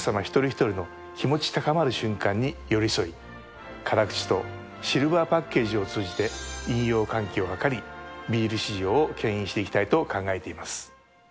一人一人の気持ち高まる瞬間に寄り添い辛口とシルバーパッケージを通じて飲用喚起を図りビール市場をけん引していきたいと考えています。